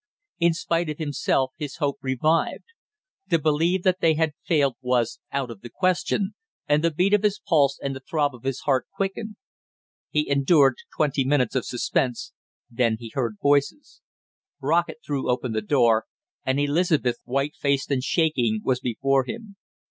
In spite of himself, his hope revived. To believe that they had failed was out of the question, and the beat of his pulse and the throb of his heart quickened. He endured twenty minutes of suspense, then he heard voices; Brockett threw open the door, and Elizabeth, white faced and shaking, was before him.